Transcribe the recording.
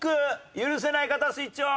許せない方スイッチオン！